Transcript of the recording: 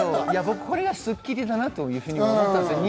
僕はこれが『スッキリ』だなと思ったんですよ。